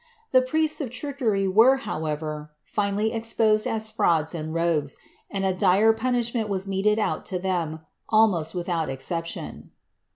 The prints of trickery were, however, finally exposed as frauds and rogues, and a dire punish ment was meted out to them, almost without exception.